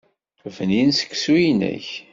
Bnin seksu-inek.